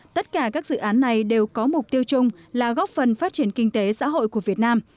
tất cả các dự án này đều có mục tiêu chung là góp phần phát triển kinh tế xã hội của việt nam